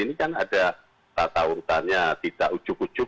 ini kan ada tata urutannya tidak ujuk ujuk